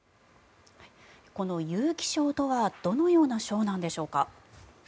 この勇気賞とはどのような賞なんでしょうか。